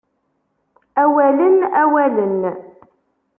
Awalen, awalen...